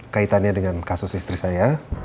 kaitannya dengan kasus istri saya